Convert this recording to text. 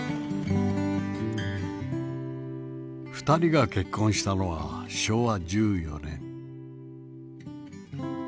２人が結婚したのは昭和１４年。